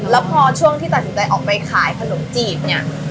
แล้วพอช่วงที่ตัดสินใจออกไปขายขนมจีบเนี่ย